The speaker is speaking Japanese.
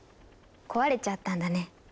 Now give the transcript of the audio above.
壊れちゃったんだね。